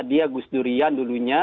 dia gus durian dulunya